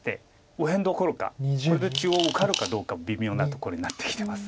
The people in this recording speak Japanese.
右辺どころかこれで中央受かるかどうかも微妙なところになってきてます。